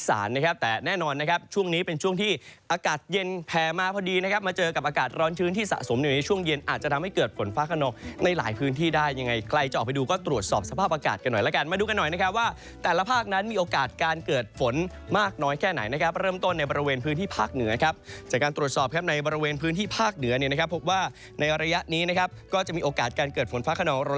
อาจจะทำให้เกิดฝนฟ้าขนองในหลายพื้นที่ได้ยังไงใครจะออกไปดูก็ตรวจสอบสภาพอากาศกันหน่อยแล้วกันมาดูกันหน่อยนะครับว่าแต่ละภาคนั้นมีโอกาสการเกิดฝนมากน้อยแค่ไหนนะครับเริ่มต้นในบริเวณพื้นที่ภาคเหนือครับจากการตรวจสอบครับในบริเวณพื้นที่ภาคเหนือเนี่ยนะครับพบว่าในระยะนี้นะ